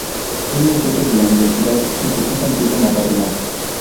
Un muchacho de la universidad y su cita empiezan a patinar.